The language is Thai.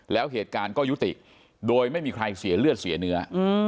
แล้วเหตุการณ์ก็ยุติโดยไม่มีใครเสียเลือดเสียเนื้อ